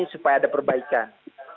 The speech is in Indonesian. supaya ada perbaikan